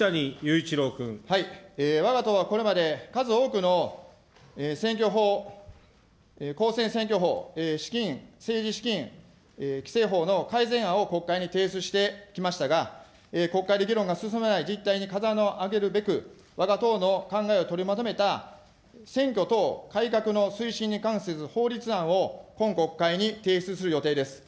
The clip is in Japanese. わが党はこれまで、数多くの選挙法、こうせん選挙法、資金、政治資金規正法の改正案を国会に提出してきましたが、国会で議論が進まない実態に風穴を開けるべく、わが党の考えを取りまとめた選挙等改革の推進に関する法律案を、今国会に提出する予定です。